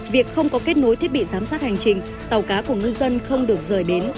việc không có kết nối thiết bị giám sát hành trình tàu cá của ngư dân không được rời bến